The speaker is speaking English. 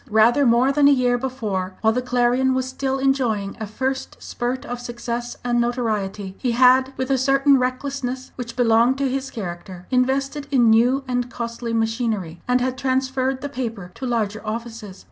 Rather more than a year before, while the Clarion was still enjoying a first spurt of success and notoriety, he had, with a certain recklessness which belonged to his character, invested in new and costly machinery, and had transferred the paper to larger offices.